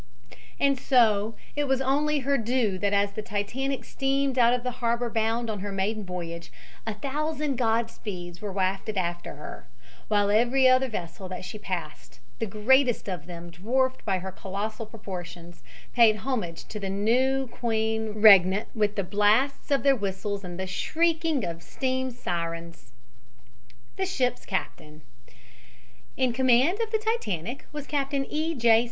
And so it was only her due that as the Titanic steamed out of the harbor bound on her maiden voyage a thousand "God speeds" were wafted after her, while every other vessel that she passed, the greatest of them dwarfed by her colossal proportions, paid homage to the new queen regnant with the blasts of their whistles and the shrieking of steam sirens. THE SHIP'S CAPTAIN In command of the Titanic was Captain E. J.